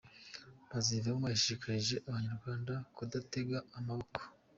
Bazivamo yashishikarije abanyarwanda kudatega amaboko